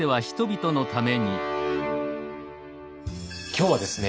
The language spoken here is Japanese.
今日はですね